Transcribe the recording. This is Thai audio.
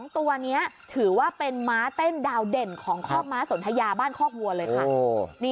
ตัวนี้ถือว่าเป็นม้าเต้นดาวเด่นของคอกม้าสนทยาบ้านคอกวัวเลยค่ะ